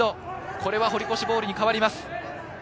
これは堀越ボールに変わります。